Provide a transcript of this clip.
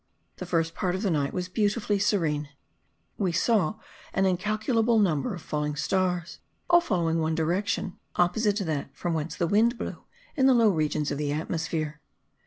The first part of the night was beautifully serene: we saw an incalculable number of falling stars, all following one direction, opposite to that from whence the wind blew in the low regions of the atmosphere.